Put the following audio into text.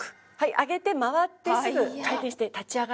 上げて回ってすぐ回転して立ち上がるんですよ。